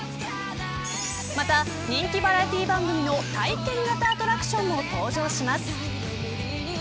また、人気バラエティー番組の体験型アトラクションも登場します。